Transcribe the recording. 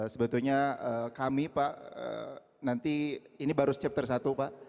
sebetulnya kami pak nanti ini baru chapter satu pak